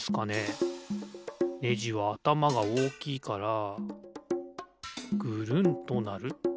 ネジはあたまがおおきいからぐるんとなる。